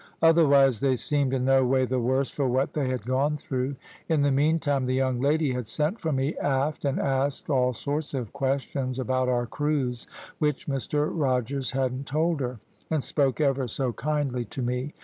Otherwise, they seemed in no way the worse for what they had gone through. In the meantime, the young lady had sent for me aft, and asked all sorts of questions about our cruise, which Mr Rogers hadn't told her, and spoke ever so kindly to me.